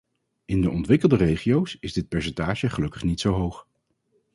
In de ontwikkelde regio's is dit percentage gelukkig niet zo hoog.